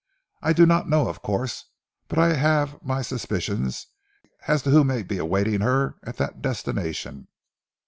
I do not know, of course, but I have my suspicions as to who may be awaiting her at that destination."